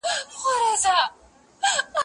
زه د لوبو لپاره وخت نيولی دی؟!